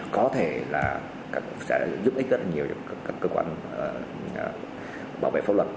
có thể sẽ giúp ích rất nhiều các cơ quan bảo vệ pháp luật